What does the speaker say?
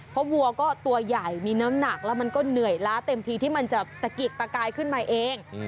เพราะวัวก็ตัวใหญ่มีน้ำหนักแล้วมันก็เหนื่อยล้าเต็มทีที่มันจะตะกิกตะกายขึ้นมาเอง